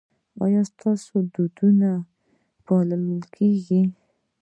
ایا ستاسو دودونه به پالل کیږي؟